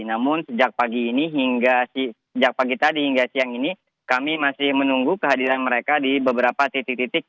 namun sejak pagi ini hingga sejak pagi tadi hingga siang ini kami masih menunggu kehadiran mereka di beberapa titik titik